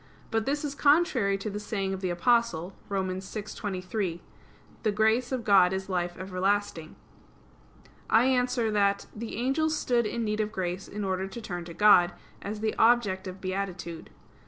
But this is contrary to the saying of the Apostle (Rom. 6:23): "The grace of God is life everlasting." I answer that, The angels stood in need of grace in order to turn to God, as the object of beatitude.